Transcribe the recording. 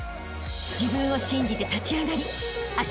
［自分を信じて立ち上がりあしたへ